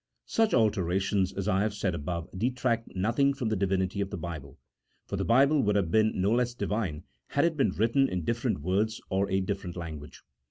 Such alterations, as I have said above, detract nothing from the Divinity of the Bible, for the Bible would have been no less Divine had it been written in different words or a different language.